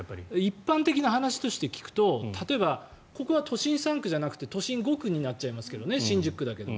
一般的な話として聞くと例えば、ここは都心３区じゃなくて都心５区になっちゃいますけど新宿区だけど。